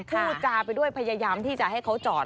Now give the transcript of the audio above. พูดจาไปด้วยพยายามที่จะให้เขาจอด